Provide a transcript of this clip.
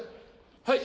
はい。